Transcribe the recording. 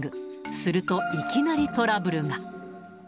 すると、いきなりトラブルが。